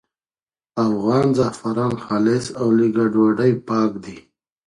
افغان زعفران خالص او له ګډوډۍ پاک دي.